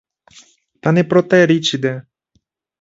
Та не про те річ іде.